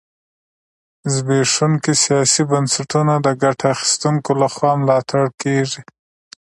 زبېښونکي سیاسي بنسټونه د ګټه اخیستونکو لخوا ملاتړ کېږي.